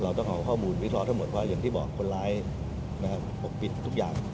ต้องเอาข้อมูลวิเคราะห์ทั้งหมดว่าอย่างที่บอกคนร้ายปกปิดทุกอย่าง